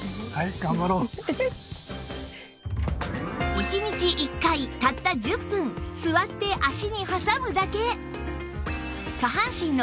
１日１回たった１０分座って脚に挟むだけ！